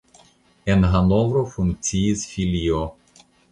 En Hanovro funkciis filio.